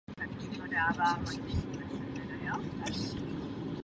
Třetí řada se odehrává dva roky po předchozí.